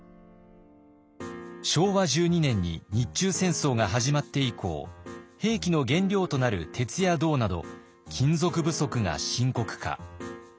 昭和１２年に日中戦争が始まって以降兵器の原料となる鉄や銅など金属不足が深刻化。